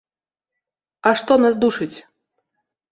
А што нас душыць?